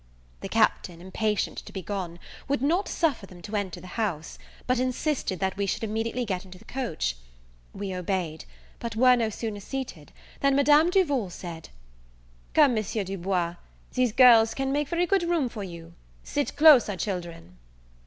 The Captain, impatient to be gone, would not suffer them to enter the house, but insisted that we should immediately get into the coach. We obeyed; but were no sooner seated, than Madame Duval said, "Come, Monsieur Du Bois, these girls can make very good room for you; sit closer, children."